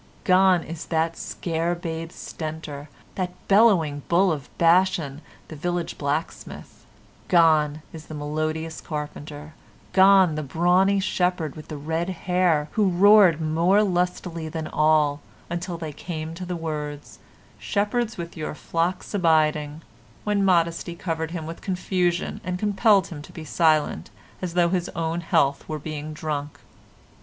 Gone is that scarebabe stentor, that bellowing bull of Bashan the village blacksmith, gone is the melodious carpenter, gone the brawny shepherd with the red hair, who roared more lustily than all, until they came to the words, "Shepherds with your flocks abiding," when modesty covered him with confusion, and compelled him to be silent, as though his own health were being drunk.